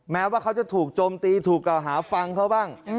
แม้ว่าเขาจะถูกโจมตีถูกกล่าวหาฟังเขาบ้าง